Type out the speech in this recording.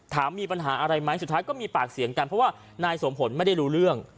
ถามมีปัญหาอะไรไหมสุดท้ายก็มีปากเสียงกันเพราะว่านายสมผลไม่ได้รู้เรื่อง